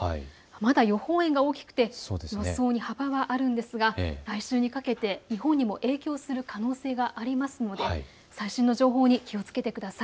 まだ予報円が大きくて予想に幅はあるんですが、来週にかけて日本にも影響する可能性がありますので最新の情報に気をつけてください。